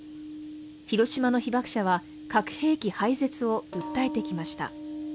広島の被爆者は核兵器廃絶を訴えてきました。